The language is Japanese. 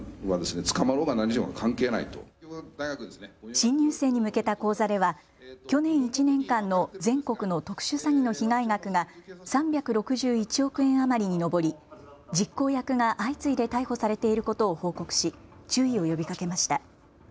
新入生に向けた講座では去年１年間の全国の特殊詐欺の被害額が３６１億円余りに上り実行役が相次いで逮捕されていることを報告し注意を呼びかけました。